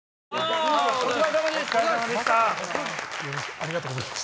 ありがとうございます。